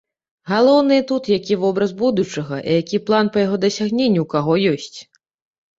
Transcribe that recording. Галоўнае тут, які вобраз будучага і які план па яго дасягненні ў каго ёсць.